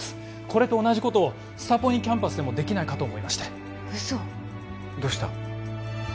これと同じことをスタポニキャンパスでもできないかと思いまして嘘どうした？